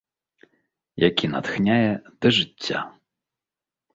Які натхняе да жыцця.